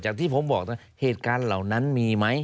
ที่ผมบอกนะเหตุการณ์เหล่านั้นมีไหม